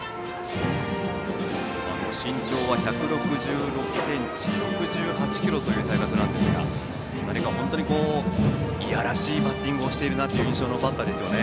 身長は１６６ｃｍ６８ｋｇという体格ですが本当にいやらしいバッティングをしている印象のバッターですね。